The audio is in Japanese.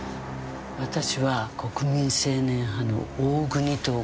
私は国民青年派の大國塔子だ。